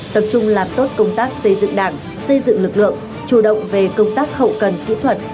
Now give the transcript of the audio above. tập trung làm tốt công tác xây dựng đảng xây dựng lực lượng chủ động về công tác hậu cần kỹ thuật